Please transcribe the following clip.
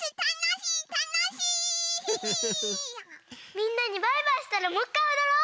みんなにバイバイしたらもっかいおどろう！